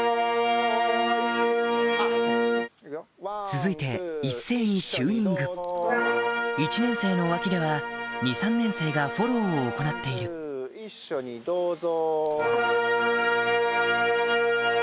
続いて一斉にチューニング１年生の脇では２・３年生がフォローを行っている一緒にどうぞ。